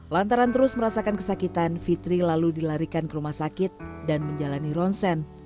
lantaran terus merasakan kesakitan fitri lalu dilarikan ke rumah sakit dan menjalani ronsen